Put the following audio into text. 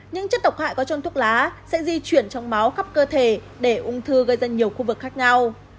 những chất độc hại có trôn thuốc lá sẽ di chuyển trong máu khắp cơ thể để ung thư gây ra nhiều khu vực khác nhau